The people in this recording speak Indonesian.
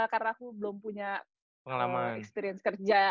karena aku belum punya experience kerja